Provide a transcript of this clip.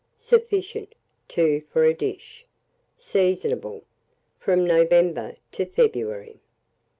Sufficient, 2 for a dish. Seasonable from November to February.